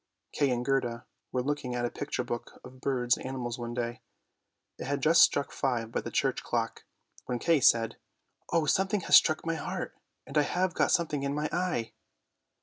Kay and Gerda were looking at a picture book of birds and animals one day — it had just struck five by the church clock — when Kay said, " Oh, something struck my heart, and I have got something in my eye!